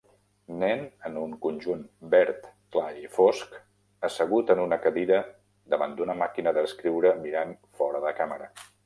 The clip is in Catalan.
Nen en un conjunt verd clar i fosc assegut en una cadira davant d'una màquina d'escriure mirant fora de càmera